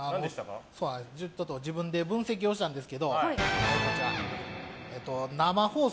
自分で分析したんですけど生放送